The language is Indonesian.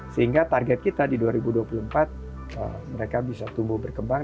sehingga target kita di dua ribu dua puluh empat mereka bisa tumbuh berkembang